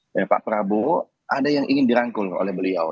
dan pak prabowo ada yang ingin dirangkul oleh beliau